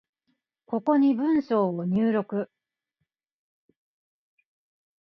ここに文章を入力